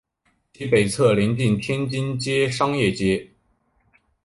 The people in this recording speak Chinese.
其北侧则邻近天津街商业街。